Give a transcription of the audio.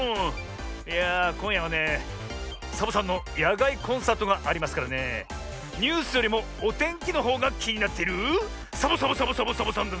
いやあこんやはねサボさんのやがいコンサートがありますからねえニュースよりもおてんきのほうがきになっているサボサボサボサボサボさんだ